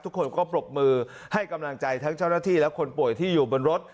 ทุกคนก็ปรบมือให้กำลังใจทั้งเจ้าหน้าที่และคนป่วยที่อยู่บนรถ